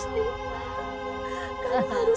sampai jumpa lagi